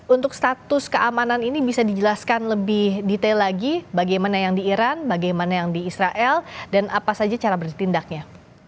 untuk status keamanan ini bisa dijelaskan lebih detail lagi bagaimana yang di iran bagaimana yang di israel dan apa saja cara bertindaknya